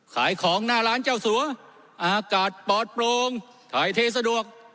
ขายของหน้าร้านเจ้าสัวอากาศปลอดโปร่งถ่ายเทสะดวก